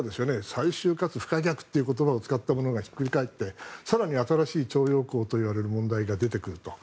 最終的かつ不可逆的という言葉を使ったものがひっくり返って更に新しい徴用工と呼ばれる問題が出てくると。